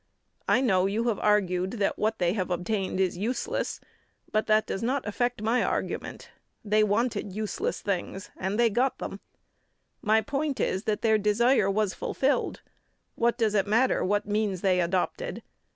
I know you have argued that what they have obtained is useless, but that does not affect my argument. They wanted useless things, and they got them. My point is that their desire was fulfilled. What does it matter what means they adopted?